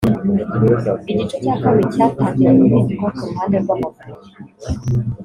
Igice cya kabiri cyatangiranye impinduka ku ruhande rw’Amavubi